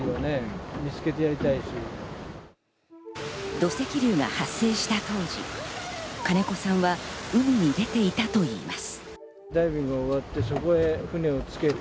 土石流が発生した当時、金子さんは海に出ていたといいます。